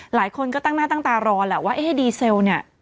หลายคนก็ตั้งหน้าตั้งตารอแหละว่าเอ๊ะดีเซลเนี่ย